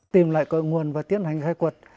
tìm lại cội nguồn và tiến hành khai quật